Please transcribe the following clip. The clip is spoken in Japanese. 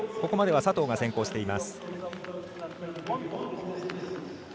ここまでは佐藤が先行しています。